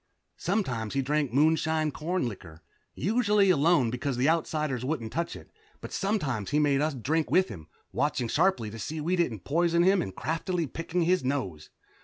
Sometimes he drank moonshine corn liquor, usually alone, because the Outsiders wouldn't touch it, but sometimes he made some of us drink with him, watching sharply to see we didn't poison him and craftily picking his nose.